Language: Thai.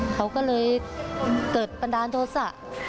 เขาก็เลยเกิดบันดาลโทษะ